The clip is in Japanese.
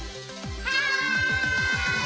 はい！